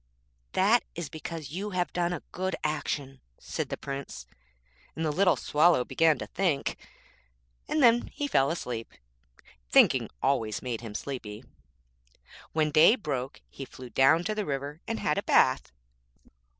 'That is because you have done a good action,' said the Prince. And the little Swallow began to think, and then he fell asleep. Thinking always made him sleepy. When day broke he flew down to the river and had a bath.